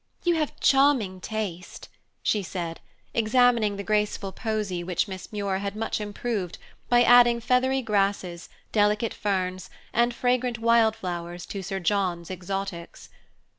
You have charming taste," she said, examining the graceful posy which Miss Muir had much improved by adding feathery grasses, delicate ferns, and fragrant wild flowers to Sir John's exotics.